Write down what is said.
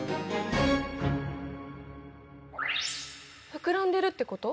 膨らんでるってこと？